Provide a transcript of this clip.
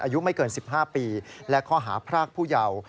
อายุไม่เกิน๑๕ปีและข้อหาพรากผู้เยาว์